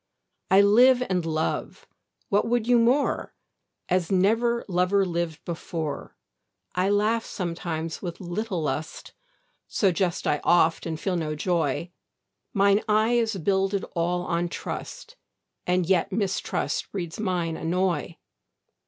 I live and love (what would you more?) As never lover lived before. I laugh sometimes with little lust, So jest I oft and feel no joy; Mine eye is builded all on trust, And yet mistrust breeds mine annoy.